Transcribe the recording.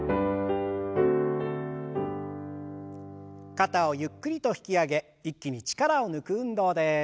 肩をゆっくりと引き上げ一気に力を抜く運動です。